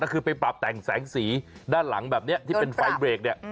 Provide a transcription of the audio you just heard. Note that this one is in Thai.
ก็คือไปปรับแต่งแสงสีด้านหลังแบบนี้ที่เป็นไฟเบรกเนี่ย